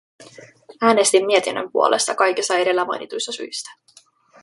Äänestin mietinnön puolesta kaikista edellä mainituista syistä.